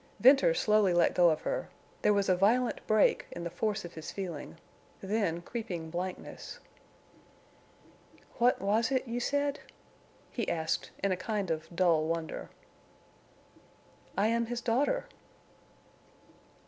Venters slowly let go of her. There was a violent break in the force of his feeling—then creeping blankness. "What—was it—you said?" he asked, in a kind of dull wonder. "I am his daughter."